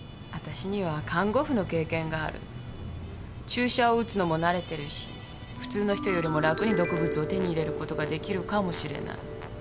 注射を打つのも慣れてるし普通の人よりも楽に毒物を手に入れることができるかもしれない。